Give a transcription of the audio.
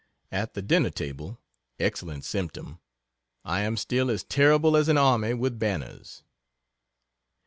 At the dinner table excellent symptom I am still as "terrible as an army with banners."